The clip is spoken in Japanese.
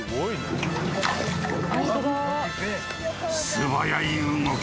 ［素早い動き。